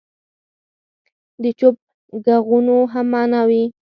د چوپ ږغونو هم معنی وي.